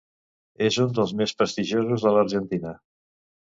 És un dels més prestigiosos de l'Argentina.